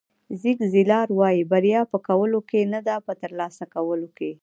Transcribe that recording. زیګ زیګلار وایي بریا په کولو کې ده نه په ترلاسه کولو.